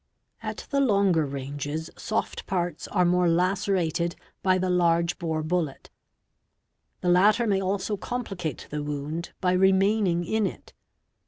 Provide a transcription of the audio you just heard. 'At the longer ranges soft parts are more lacerated by the large bore bullet; the latter may also complicate the wound by remaining in it.